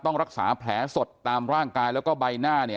ต้องรักษาแผลสดตามร่างกายและใบหน้า